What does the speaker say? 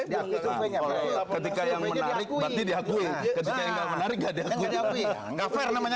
kalau ketika yang menarik berarti di akui hi si man